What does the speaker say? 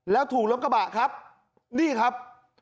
แล้วถูกรถกระบะครับนี่ครับ